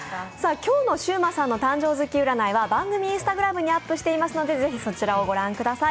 今日もシウマさんの誕生日月占いは番組Ｉｎｓｔａｇｒａｍにアップしていますのでぜひそちらを御覧ください。